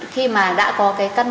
khi mà đã có cái căn bộ